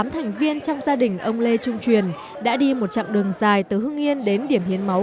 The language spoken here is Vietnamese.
tám thành viên trong gia đình ông lê trung truyền đã đi một chặng đường dài từ hưng yên đến điểm hiến máu